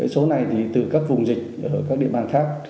số này thì từ các vùng dịch ở các địa bàn khác